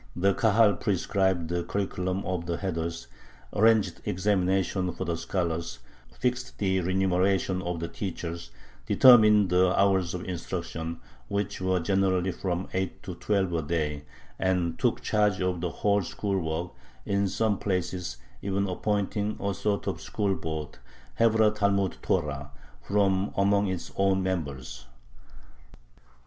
The Kahal prescribed the curriculum of the heders, arranged examinations for the scholars, fixed the remuneration of the teachers, determined the hours of instruction (which were generally from eight to twelve a day), and took charge of the whole school work, in some places even appointing a sort of school board (Hevrah Talmud Torah) from among its own members.